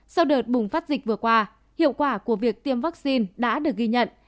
sau đợt bùng phát dịch vừa qua hiệu quả của việc tiêm vaccine đã được ghi nhận